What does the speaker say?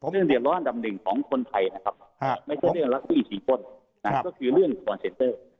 เรื่องเดี๋ยวร้อนดำหนึ่งของคนไทยนะครับไม่ใช่เรื่องลักษณีย์สีป้นนั่นก็คือเรื่องฟอร์เซ็นเตอร์